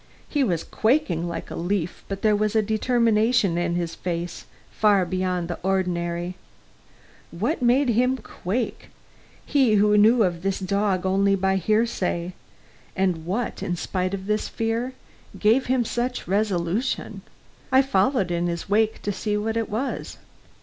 He was quaking like a leaf, but there was a determination in his face far beyond the ordinary. What made him quake he who knew of this dog only by hearsay and what, in spite of this fear, gave him such resolution? I followed in his wake to see what it was.